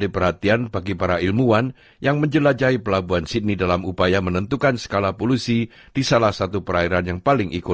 di mana mana kita pergi di sunday di pasifik